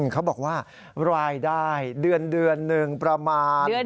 เขาบอกว่ารายได้เดือนหนึ่งประมาณ